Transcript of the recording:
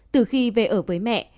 từ khi về ở với mẹ